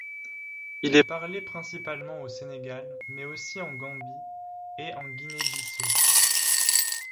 Il est parlé principalement au Sénégal mais aussi en Gambie et en Guinée-Bissau.